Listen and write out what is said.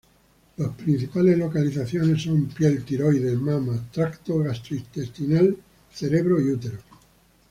Las principales localizaciones son piel, tiroides, mama, tracto gastrointestinal, cerebro y útero.